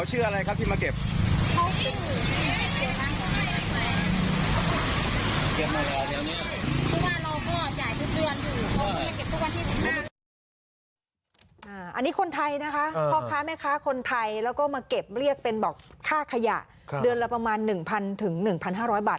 อันนี้คนไทยนะคะพ่อค้าแม่ค้าคนไทยแล้วก็มาเก็บเรียกเป็นบอกค่าขยะเดือนละประมาณ๑๐๐๑๕๐๐บาท